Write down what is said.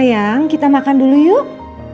sayang kita makan dulu yuk